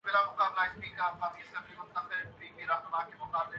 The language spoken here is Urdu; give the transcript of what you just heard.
motto G P grand prix Spain کے مارک مارکوئز نےٹائٹل جیت لیا